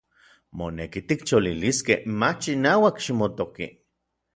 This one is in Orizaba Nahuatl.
Moneki tikcholiliskej, mach inauak ximotoki.